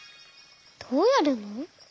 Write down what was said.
どうやるの？